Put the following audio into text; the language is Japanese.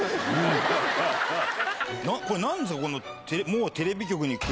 これ何ですか？